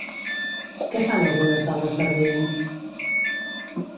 Què fan algunes dones de Riells?